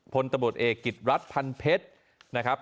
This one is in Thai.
พลตะบดเอกกิตรัสพันเพชรนะครับ